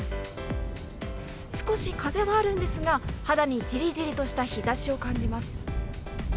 少し風はあるんですが、肌にじりじりとした日ざしを感じます。